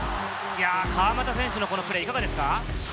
川真田選手のこのプレー、いかがですか？